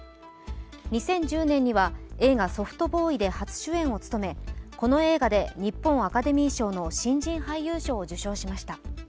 ２０１０年には映画「ソフトボーイ」で初主演を務めこの映画で日本アカデミー賞の新人俳優賞を受賞しました。